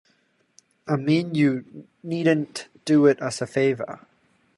I mean you needn't do it as a favor.